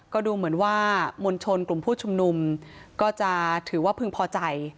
ก็ดูเหมือนว่ามวลชนกลุ่มผู้ชุมนุมก็จะถือว่าพึงพอใจ